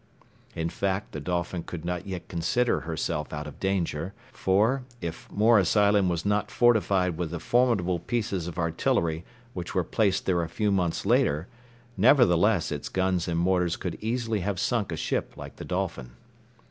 In fact, the Dolphin could not yet consider herself out of danger; for, if Morris Island was not fortified with the formidable pieces of artillery which were placed there a few months later, nevertheless its guns and mortars could easily have sunk a ship like the Dolphin.